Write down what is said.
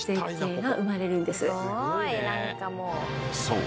［そう。